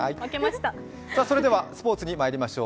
それではスポーツにまいりましょう。